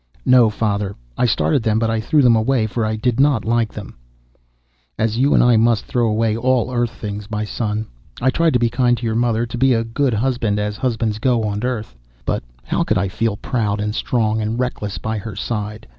"No, father. I started them but I threw them away for I did not like them." "As you and I must throw away all Earth things, my son. I tried to be kind to your mother, to be a good husband as husbands go on Earth. But how could I feel proud and strong and reckless by her side?